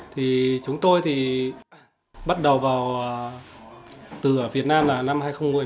thì chúng tôi thì bắt đầu từ việt nam là năm hai nghìn một mươi ba